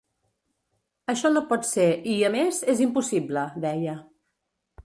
Això no pot ser i, a més, és impossible, deia.